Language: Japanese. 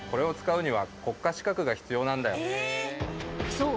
そう！